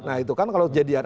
nah itu kan kalau jadian